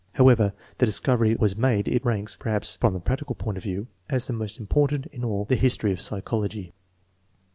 However the discovery was made, it ranks, per haps, from the practical point of view, as the most important in all the history of psychology.